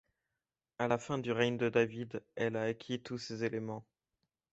À la fin du règne de David, elle a acquis tous ces éléments.